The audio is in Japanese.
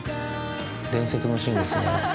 伝説のシーンですね。